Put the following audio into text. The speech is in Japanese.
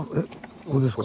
ここですか？